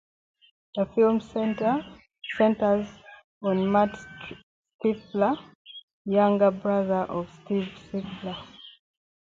The film centers on Matt Stifler, younger brother of Steve Stifler.